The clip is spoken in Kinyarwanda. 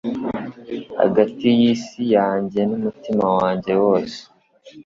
hagati y'isi yanjye n'umutima wanjye wose